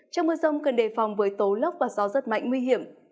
trong mưa rông cần đề phòng với tố lốc và gió rất mạnh nguy hiểm